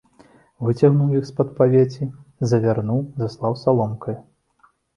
Выцягнуў іх з-пад павеці, завярнуў, заслаў саломкаю.